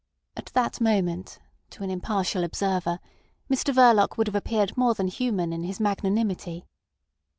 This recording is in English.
At that moment, to an impartial observer, Mr Verloc would have appeared more than human in his magnanimity.